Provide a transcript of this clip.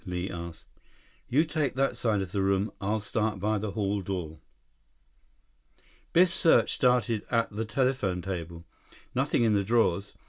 Li asked. "You take that side of the room. I'll start by the hall door." Biff's search started at the telephone table. Nothing in the drawers.